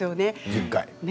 １０回。